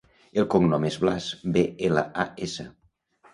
El cognom és Blas: be, ela, a, essa.